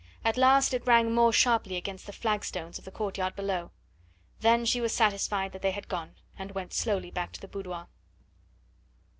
At last it rang more sharply against the flagstones of the courtyard below; then she was satisfied that they had gone, and went slowly back to the boudoir.